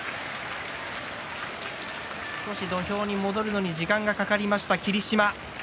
少し土俵に戻るのに時間がかかりました霧島。